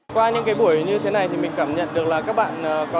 qua những cái buổi như thế này thì mình cảm nhận được là các bạn có